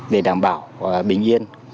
để đảm bảo bình yên